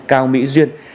cao mỹ duyên